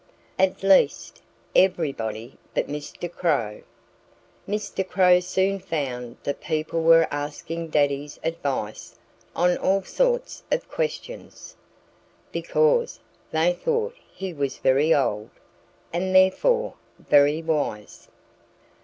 At least, everybody but Mr. Crow! Mr. Crow soon found that people were asking Daddy's advice on all sorts of questions (because they thought he was very old and therefore very wise).